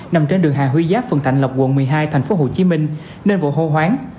nằm trên đường hà huy giáp phần tạnh lọc quận một mươi hai thành phố hồ chí minh nên vụ hô hoáng